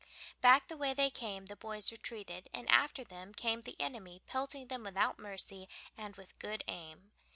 Back the way they came the boys retreated, and after them came the enemy pelting them without mercy and with good aim.